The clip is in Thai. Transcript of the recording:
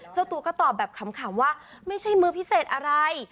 เจ้าตัวก็ตอบแบบขำว่าไม่ใช่มือพิเศษอะไร